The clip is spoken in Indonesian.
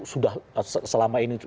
sudah selama ini